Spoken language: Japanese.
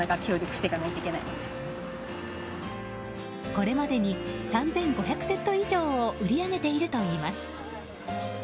これまでに３５００セット以上を売り上げているといいます。